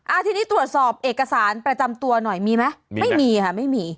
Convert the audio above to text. ทีนี้ตรวจสอบเอกสารประจำตัวหน่อยมีไหมไม่มีค่ะไม่มี